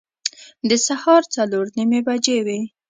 د سهار څلور نیمې بجې وې.